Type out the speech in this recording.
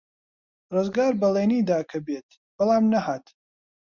ڕزگار بەڵێنی دا کە بێت، بەڵام نەهات.